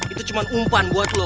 itu cuma umpan buat lo